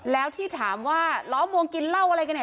แล้วที่ถามว่าหล้อมวงกินเลิศเจออะไรยังไง